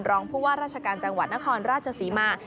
รองผู้ว่าราชการจังหวัดนครราชศรีมา